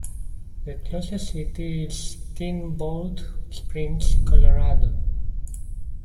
The closest city is Steamboat Springs, Colorado.